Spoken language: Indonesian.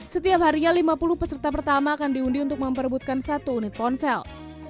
setiap harinya lima puluh peserta pertama akan diundi untuk memperebutkan satu unit ponsel